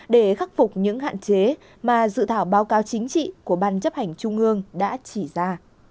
để khắc phục những hạn chế mà dự thảo báo cáo chính trị của ban chấp hành trung ương đã chỉ ra